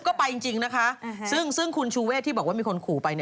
โกหรตอนนั้นโกหรไง